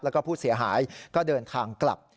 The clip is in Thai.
แล้วก็ผู้เสียหายก็เดินทางกลับ